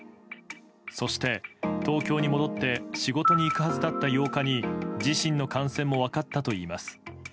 そして、東京に戻って仕事に行くはずだった８日に自身の感染も分かったといいます。